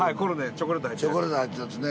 チョコレート入ってるやつね。